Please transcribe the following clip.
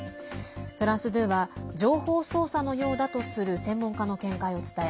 フランス２は情報操作のようだとする専門家の見解を伝え